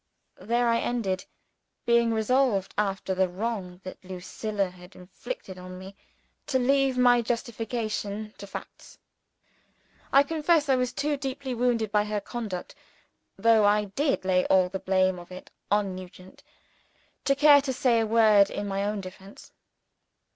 There I ended; being resolved, after the wrong that Lucilla had inflicted on me, to leave my justification to facts. I confess I was too deeply wounded by her conduct though I did lay all the blame of it on Nugent to care to say a word in my own defence.